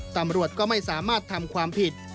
ตำรวจก็ไม่สามารถทำความผิด